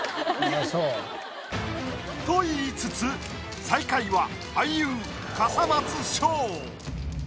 と言いつつ最下位は俳優笠松将。